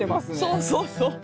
そうそうそう。